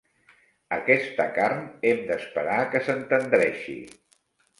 Aquesta carn, hem d'esperar que s'entendreixi.